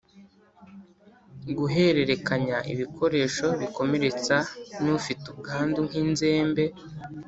guhererekanya ibikoresho bikomeretsa n’ufite ubwandu nk’inzembe,